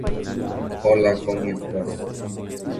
¿Y dirás tú: Qué sabe Dios?